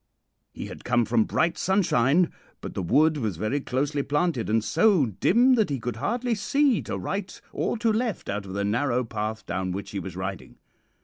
"He had come from bright sunshine, but the wood was very closely planted, and so dim that he could hardly see to right or to left out of the narrow path down which he was riding.